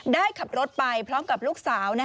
ได้ขับรถไปพร้อมกับลูกสาว